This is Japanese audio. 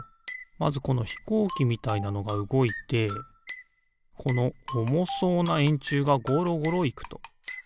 まずこのひこうきみたいなのがうごいてこのおもそうなえんちゅうがごろごろいくと。